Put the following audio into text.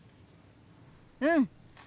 うん！